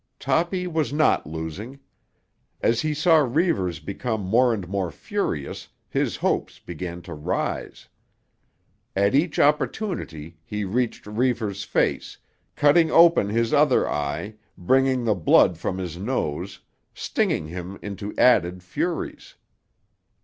Toppy was not losing. As he saw Reivers become more and more furious his hopes began to rise. At each opportunity he reached Reivers' face, cutting open his other eye, bringing the blood from his nose, stinging him into added furies.